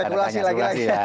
spekulasi lagi ya